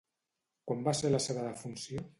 Quan va ser la seva defunció?